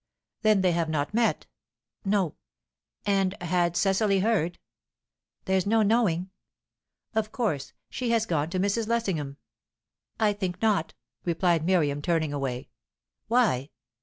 "Then they have not met?". "No." "And had Cecily heard?" "There's no knowing." "Of course, she has gone to Mrs. Lessingham." "I think not," replied Miriam, turning away. "Why?"